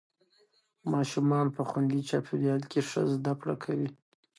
ماشومان په خوندي چاپېریال کې ښه زده کړه کوي